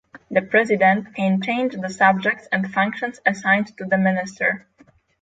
The President can change the subjects and functions assigned to the Minister.